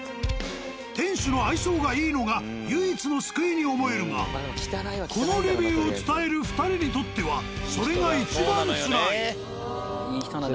店主の愛想がいいのが唯一の救いに思えるがこのレビューを伝える２人にとってはそれがいちばんつらい。